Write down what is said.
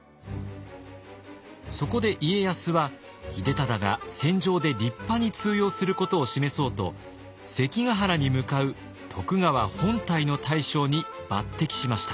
そこで家康は秀忠が戦場で立派に通用することを示そうと関ヶ原に向かう徳川本隊の大将に抜擢しました。